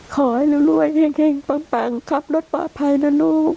ขอให้เรารวยเฮ่งปังขับรถปลอดภัยนะลูก